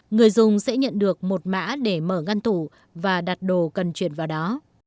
người dùng sẽ nhận được một mã để mở ngăn thủ và đặt đồ cần chuyển vào đó